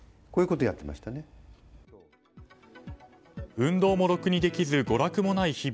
運動もろくにできず娯楽もない日々。